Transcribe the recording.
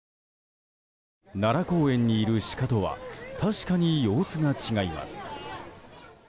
奈良公園にいるシカとは確かに様子が違います。